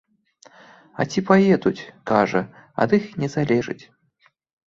А ці паедуць, кажа, ад іх не залежыць.